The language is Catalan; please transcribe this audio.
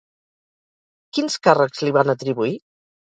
Quins càrrecs li van atribuir?